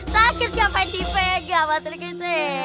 sakit nyampe dipegang pak serigiti